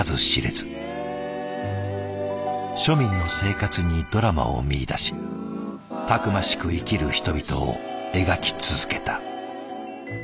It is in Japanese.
庶民の生活にドラマを見いだしたくましく生きる人々を描き続けた。